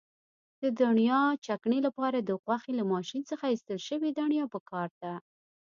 د دڼیا چکنۍ لپاره د غوښې له ماشین څخه ایستل شوې دڼیا پکار ده.